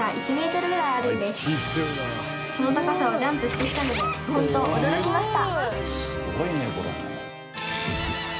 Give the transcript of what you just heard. その高さをジャンプしてきたのでホント驚きました。